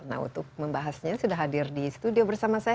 nah untuk membahasnya sudah hadir di studio bersama saya